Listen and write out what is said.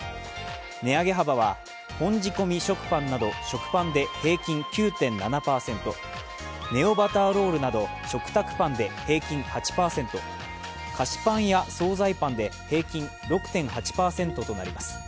値上げ幅は、本仕込み食パンなど食パンで平均９．７％、ネオバターロールなど食卓パンで平均８％、菓子パンや総菜パンで平均６．８％となります。